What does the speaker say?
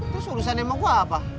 terus urusan emang gue apa